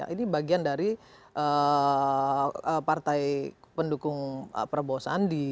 ini bagian dari partai pendukung prabowo sandi